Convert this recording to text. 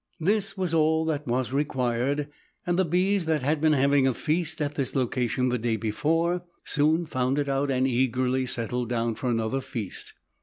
This was all that was required and the bees that had been having a feast at this location the day before soon found it out and eagerly settled down for another feast.